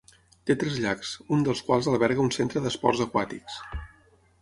Té tres llacs, un dels quals alberga un centre d'esports aquàtics.